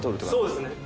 そうですね。